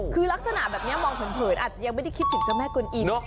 คือลักษณะแบบนี้มองเผินอาจจะยังไม่ได้คิดถึงเจ้าแม่กวนอิม